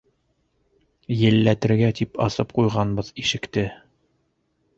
Елләтергә, тип асып ҡуйғанбыҙ ишекте.